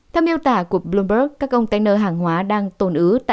theo miêu tả của bloomberg các ông tên nơi hàng hóa đang tồn ứ